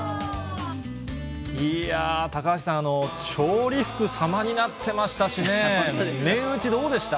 いやー、高橋さん、調理服、様になってましたしね、麺打ちどうでした？